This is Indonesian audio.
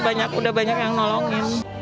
sudah banyak yang nolongin